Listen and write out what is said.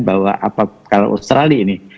bahwa kalau australia ini